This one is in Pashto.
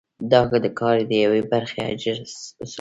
دا د کار د یوې برخې اجرا اصول دي.